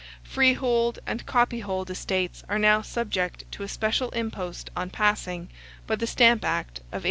Freehold and copyhold estates are now subject to a special impost on passing, by the Stamp Act of 1857.